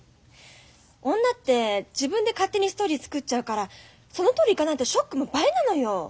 女って自分で勝手にストーリー作っちゃうからそのとおりいかないとショックも倍なのよ。